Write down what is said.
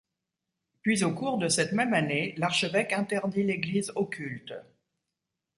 Puis au cours de cette même année l'archevêque interdit l'église au culte.